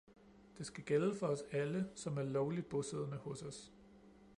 Det skal gælde for alle , som er lovligt bosiddende hos os.